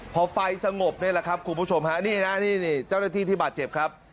พอไฟสงบนี่แหละครับคุณผู้ชมฮะนี่นะนี่เจ้าหน้าที่ที่บาดเจ็บครับ